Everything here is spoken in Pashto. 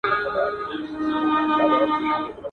ما یې هم پخوا لیدلي دي خوبونه ..